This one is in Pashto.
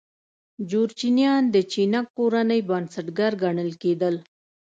جورچنیان د چینګ کورنۍ بنسټګر ګڼل کېدل.